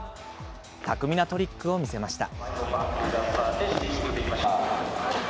巧みなトリックを見せました。